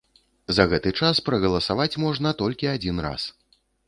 За гэты час прагаласаваць можна толькі адзін раз!